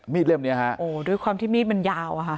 เล่มเนี้ยฮะโอ้ด้วยความที่มีดมันยาวอะค่ะ